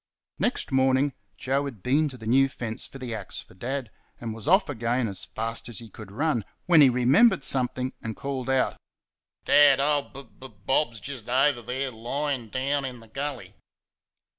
Next morning Joe had been to the new fence for the axe for Dad, and was off again as fast as he could run, when he remembered something and called out, "Dad, old B B Bob's just over there, lyin' down in the gully."